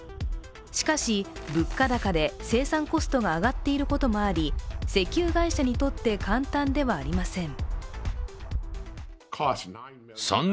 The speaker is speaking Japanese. しかし、物価高で生産コストが上がっていることもあり石油会社にとって簡単ではありません。